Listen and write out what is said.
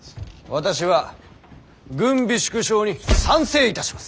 私は軍備縮小に賛成いたします！